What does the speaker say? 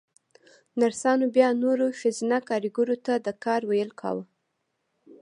نرسانو بيا نورو ښځينه کاريګرو ته د کار ويل کاوه.